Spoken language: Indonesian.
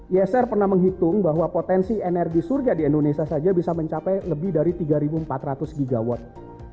yesr pernah menghitung bahwa potensi energi surga di indonesia saja bisa mencapai lebih dari tiga empat ratus gigawatt